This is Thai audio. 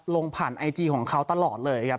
ลงผ่านไอจีของเขาตลอดเลยครับ